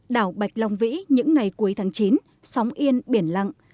đảo bạch long vĩ những ngày cuối tháng chín sóng yên biển lặng